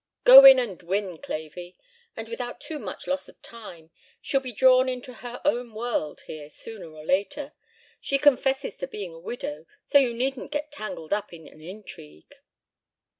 "Go in and win, Clavey and without too much loss of time. She'll be drawn into her own world here sooner or later. She confesses to being a widow, so you needn't get tangled up in an intrigue."